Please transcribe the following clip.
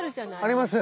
あります。